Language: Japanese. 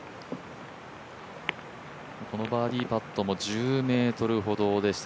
このバーディーパットも１０ｍほどでした